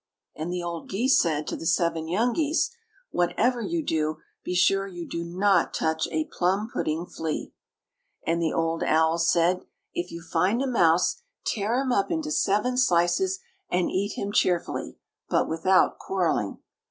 And the old geese said to the seven young geese: "Whatever you do, be sure you do not touch a plum pudding flea." And the old owls said: "If you find a mouse, tear him up into seven slices, and eat him cheerfully, but without quarreling."